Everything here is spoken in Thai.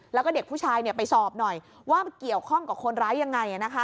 แล้วก็เด็กผู้ชายไปสอบหน่อยว่าเกี่ยวข้องกับคนร้ายยังไง